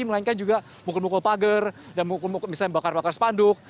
melainkan juga mukul mukul pagar dan misalnya bakar bakar spanduk